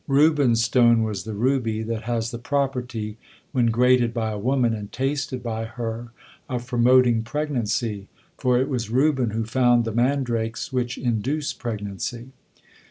Reuben's stone was the ruby, that has the property, when grated by a woman and tasted by her, of promoting pregnancy, for it was Reuben who found the mandrakes which induce pregnancy.